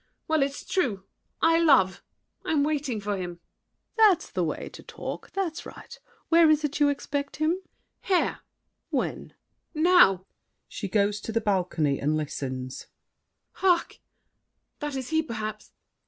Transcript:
Well, it's true! I love! I'm waiting for him! SAVERNY. That's the way to talk! That's right! Where is it you expect him? MARION. Here! SAVERNY. When? MARION. Now! [She goes to the balcony and listens. Hark! that is he perhaps.